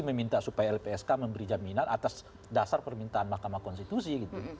meminta supaya lpsk memberi jaminan atas dasar permintaan mahkamah konstitusi gitu